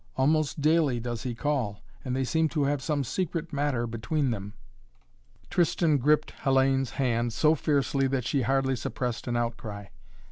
Almost daily does he call, and they seem to have some secret matter between them." Tristan gripped Hellayne's hand so fiercely that she hardly suppressed an outcry.